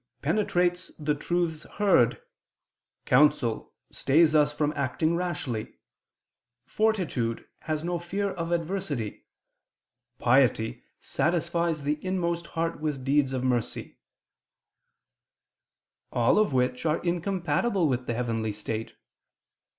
penetrates the truths heard ... counsel ... stays us from acting rashly ... fortitude ... has no fear of adversity ... piety satisfies the inmost heart with deeds of mercy," all of which are incompatible with the heavenly state.